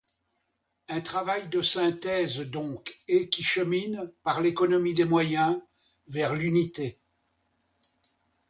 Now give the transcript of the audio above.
Un travail de synthèse donc, et qui chemine, par l'économie des moyens, vers l'unité.